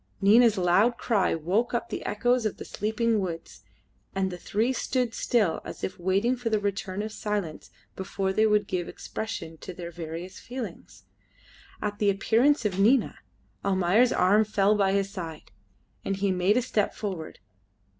Nina's loud cry woke up the echoes of the sleeping woods, and the three stood still as if waiting for the return of silence before they would give expression to their various feelings. At the appearance of Nina, Almayer's arm fell by his side, and he made a step forward.